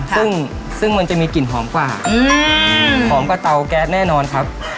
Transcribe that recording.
ซึ่งมันจะมีกลิ่นหอมกว่าหอมกว่าเตาแก๊สแน่นอนครับ